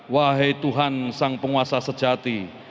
wahai tuhan sang penguasa sejati